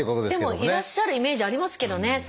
でもいらっしゃるイメージありますけどね。